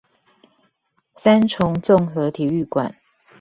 三重綜合體育館